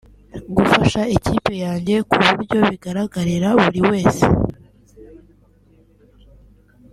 gufasha ikipe yanjye ku buryo bigaragarira buri wese